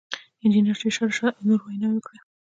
انجنیر شېرشاه رشاد او نورو ویناوې وکړې.